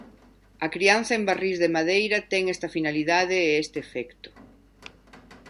A crianza en barrís de madeira ten esta finalidade e este efecto.